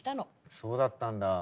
そうだったんだ。